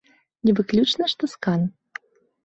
Не выключана, што з кан.